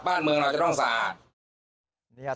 บ้านเมืองเราจะต้องสะอาด